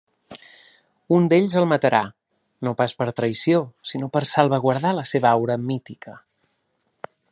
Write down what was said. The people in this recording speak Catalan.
Un d'ells el matarà, no pas per traïció sinó per salvaguardar la seva aura mítica.